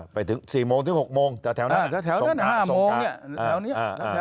ไปถึง๔โมงถึง๖โมงแถวนั้น๕โมงแถวนี้